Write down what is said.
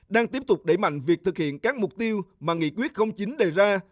đang tiếp tục đẩy mạnh việc thực hiện các mục tiêu mà nghị quyết chín đề ra